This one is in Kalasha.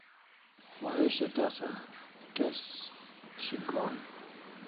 Waresho tasa test shik gohan